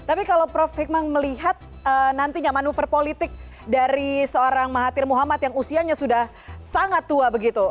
tapi kalau prof hikmah melihat nantinya manuver politik dari seorang mahathir muhammad yang usianya sudah sangat tua begitu